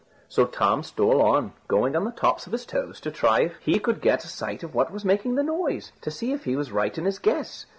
So Tom stole on, going on the tops of his toes to try if he could get a sight of what was making the noise, to see if he was right in his guess.